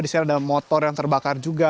di sana ada motor yang terbakar juga